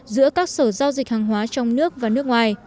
giữa các sở giao dịch hàng hóa trong nước và nước ngoài